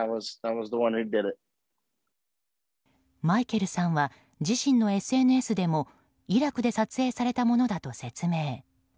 マイケルさんは自身のＳＮＳでもイラクで撮影されたものだと説明。